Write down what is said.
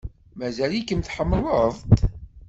Mazal-ikem tḥemmleḍ-t?